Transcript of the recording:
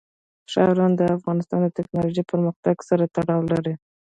ښارونه د افغانستان د تکنالوژۍ پرمختګ سره تړاو لري.